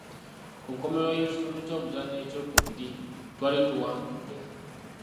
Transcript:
Ku nkomerero y'ekitundu ky'omuzannyo ekyokubiri, twali tuwangudde.